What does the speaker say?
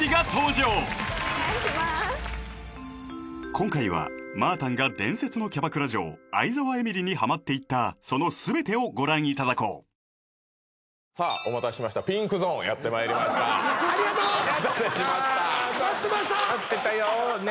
今回はまあたんが伝説のキャバクラ嬢愛沢えみりにハマっていったその全てをご覧いただこうさあお待たせしましたピンクゾーンやってまいりましたありがとう！わ待ってたよね